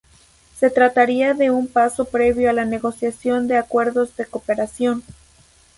Se trataría de un paso previo a la negociación de acuerdos de cooperación.